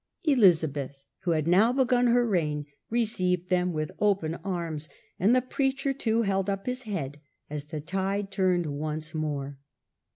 Elizabeth, who had now begun her reign, received them with open arms, and the preacher too held up his head as the tide turned once more.